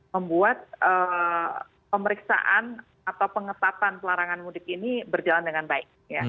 membuat pemeriksaan atau pengetatan pelarangan mudik ini berjalan dengan baik